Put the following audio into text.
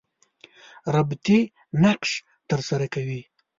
ربطي نقش تر سره کوي.